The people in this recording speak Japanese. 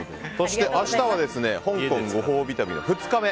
明日は香港ご褒美旅の２日目。